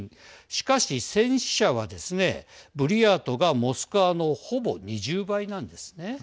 しかし、戦死者はですねブリヤートがモスクワのほぼ２０倍なんですね。